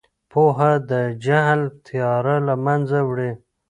پوهه د جهل تیاره له منځه وړي.